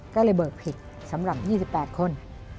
ก็เลยเบิกผิดสำหรับ๒๘คน